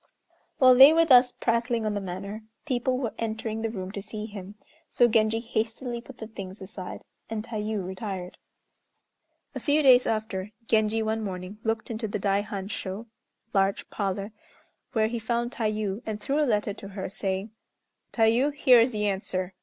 While they were thus prattling on the matter, people were entering the room to see him, so Genji hastily put the things aside, and Tayû retired. A few days after, Genji one morning looked into the Daihan sho (large parlor), where he found Tayû, and threw a letter to her, saying, "Tayû, here is the answer.